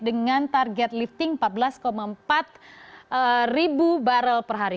dengan target lifting empat belas empat ribu barrel per hari